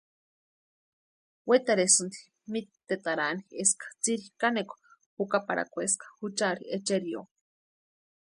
Wetarhesïnti mítetarani eska tsiri kanekwa jukaparhakweska juchari echerio.